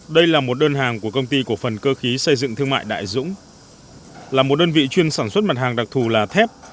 đây là một đơn hàng của công ty cổ phần cơ khí xây dựng thương mại đại dũng là một đơn vị chuyên sản xuất mặt hàng đặc thù là thép